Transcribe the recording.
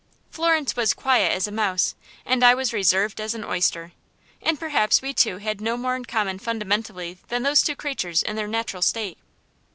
Florence was quiet as a mouse, and I was reserved as an oyster; and perhaps we two had no more in common fundamentally than those two creatures in their natural state.